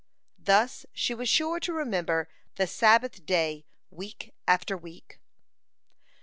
Thus she was sure to remember the Sabbath day week after week.